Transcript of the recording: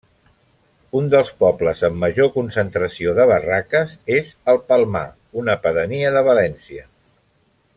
Un dels pobles amb major concentració de barraques és El Palmar, una pedania de València.